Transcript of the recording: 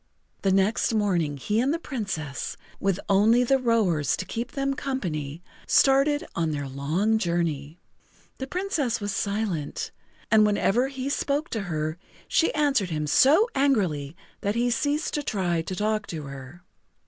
The next morning he and the Princess, with only the rowers to keep them company, started on their long journey. The Princess was silent, and whenever he spoke to her she answered him so angrily that he ceased to try to talk to her.